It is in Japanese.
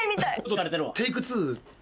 テイク２？